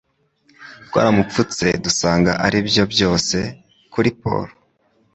Twaramupfutse dusanga aribyo byose ... kuri Paul.